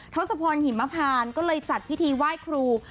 ทศพรหิมพานก็เลยจัดพิธีไหว้ครู